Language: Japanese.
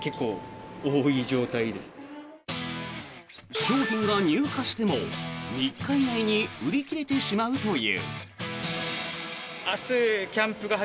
商品が入荷しても３日以内に売り切れてしまうという。